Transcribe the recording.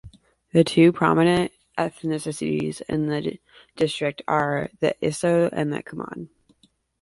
The two predominant ethnicities in the district are the Iteso and the Kumam.